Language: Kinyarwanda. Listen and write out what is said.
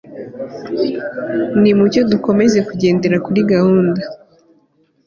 nimucyo dukomeze kugendera kuri gahunda